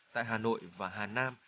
tại hà nội và hà nam